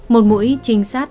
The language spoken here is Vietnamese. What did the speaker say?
một mũi trinh sát